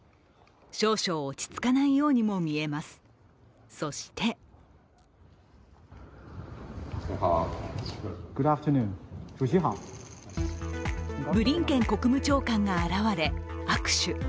少々、落ち着かないようにも見えます、そしてブリンケン国務長官が現れ、握手。